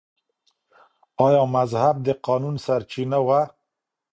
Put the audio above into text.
آیا مذهب د قانون سرچینه وه؟